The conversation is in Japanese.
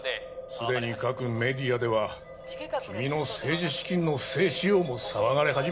すでに各メディアでは君の政治資金の不正使用も騒がれ始めている。